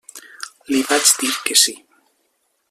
Li vaig dir que sí.